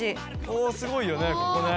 おすごいよね